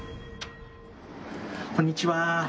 こんにちは。